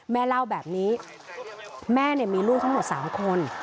แม่เล่าแบบนี้แม่มีลูกทั้งหมด๓คน